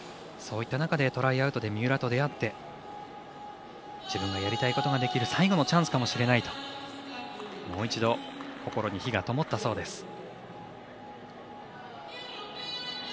そういった中でトライアウトで三浦と出会って自分がやりたいことができる最後のチャンスかもしれないともう一度心に火がともったそうです。